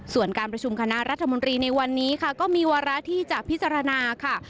ส่วนการประชุมคณะรัฐมนตรีในวันนี้ค่ะก็มีวาระที่จะพิจารณาค่ะ